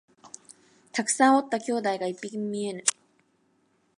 たくさんおった兄弟が一匹も見えぬ